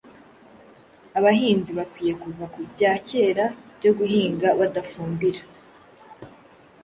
Abahinzi bakwiye kuva ku bya kera byo guhinga badafumbira,